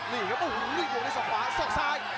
นี่ครับโอ้โหนี่ส่องขวาส่องซ้าย